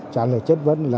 trả lời chất vấn là